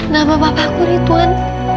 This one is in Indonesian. nama papaku rituan